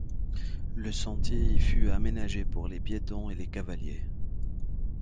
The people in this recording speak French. Le sentier y fut aménagé pour les piétons et les cavaliers.